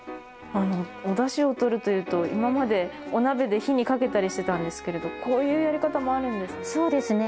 おダシをとるというと今までお鍋で火にかけたりしてたんですけれどこういうやり方もあるんですね。